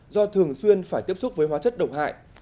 do thường xuyên phải tiếp xúc với hóa chất độc hại